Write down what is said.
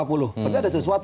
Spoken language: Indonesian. padahal ada sesuatu